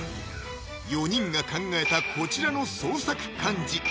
４人が考えたこちらの創作漢字